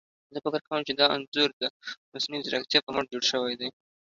زه فکر کوم چي دا انځور ده مصنوعي ځيرکتيا په مټ جوړ شوي دي.